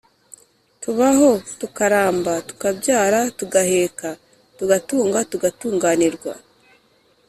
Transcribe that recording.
tubaho tukaramba, tukabyara tugaheka, tugatunga tugatunganirwa